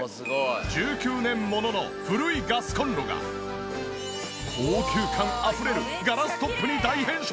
１９年ものの古いガスコンロが高級感あふれるガラストップに大変身！